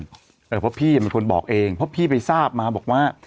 เพราะพี่เป็นคนบอกเองเพราะพี่ไปทราบมาบอกว่า